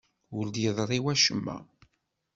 Ur d-yeḍri wacemma.